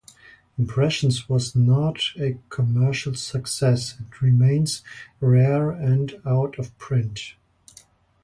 "Impressions" was not a commercial success and remains rare and out-of-print.